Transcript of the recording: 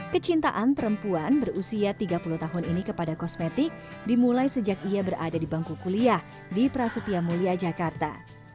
kecintaan perempuan berusia tiga puluh tahun ini kepada kosmetik dimulai sejak ia berada di bangku kuliah di prasetya mulia jakarta